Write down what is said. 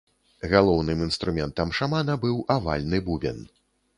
Галоўным інструментам шамана быў авальны бубен.